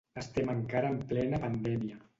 Estem encara en plena pandèmia.